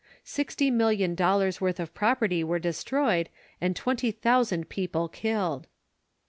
Sixty million dollars worth of property were destroyed, and twenty thousand people killed.